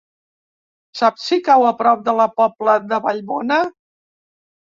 Saps si cau a prop de la Pobla de Vallbona?